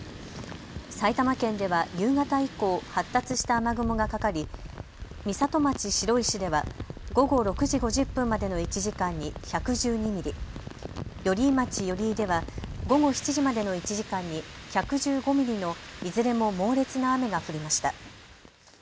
埼玉県では夕方以降、発達した雨雲がかかり美里町白石では午後６時５０分までの１時間に１１２ミリ、寄居町寄居では午後７時までの１時間に１１５ミリのいずれも猛烈な雨が降りました。